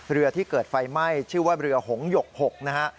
เรือที่เกิดไฟไหม้ชื่อว่าเรือหงหยก๖นะฮะ